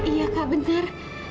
iya kak benar